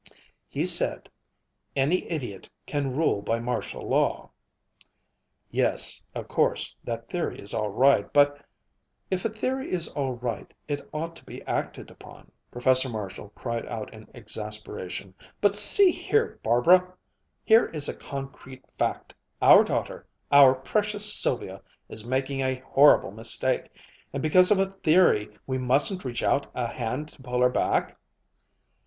"He said, 'Any idiot can rule by martial law.'" "Yes, of course, that theory is all right, but " "If a theory is all right, it ought to be acted upon." Professor Marshall cried out in exasperation, "But see here, Barbara here is a concrete fact our daughter our precious Sylvia is making a horrible mistake and because of a theory we mustn't reach out a hand to pull her back."